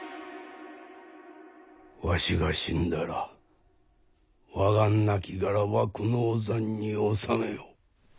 わしが死んだら我がなきがらは久能山に納めよ。